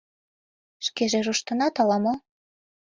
— Шкеже руштынат ала-мо?